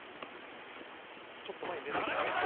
ちょっと前に出ながら決めた！